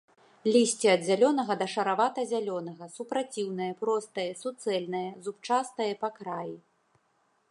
Лісце ад зялёнага да шаравата-зялёнага, супраціўнае, простае, суцэльнае, зубчастае па краі.